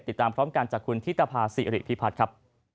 ติดตามพร้อมกันจากคุณธิตภาษิริพิพัฒน์ครับ